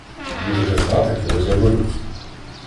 Будете знати, коли заберуть.